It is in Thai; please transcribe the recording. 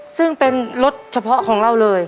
ซึ่งเป็นรถเฉพาะของเราเลย